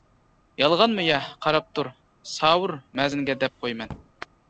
يالغانمۇ يە؟ قاراپ تۇر، ساۋۇر مەزىنگە دەپ قويىمەن!